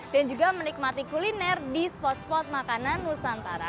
dan juga menikmati kuliner di spot spot makanan nusantara